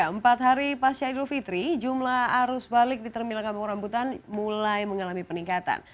empat hari pasca idul fitri jumlah arus balik di terminal kampung rambutan mulai mengalami peningkatan